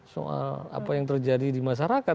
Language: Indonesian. soal apa yang terjadi di masyarakat